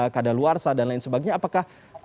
keadaan luar sahab dan lain sebagainya apakah